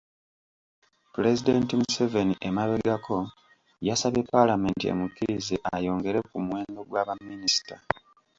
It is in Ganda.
Pulezidenti Museveni emabegako yasabye Paalamenti emukkirize ayongere ku muwendo gwa baminisita.